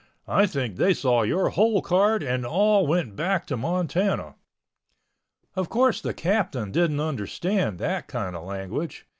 I think they saw your hole card and all went back to Montana." Of course the Captain didn't understand that kind of language.